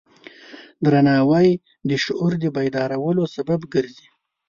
درناوی د شعور د بیدارولو سبب ګرځي.